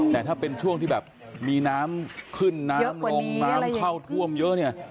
แต่ถ้าเป็นช่วงที่แบบมีน้ำขึ้นน้ำลงน้ำเข้าท่วมเยอะเนี่ย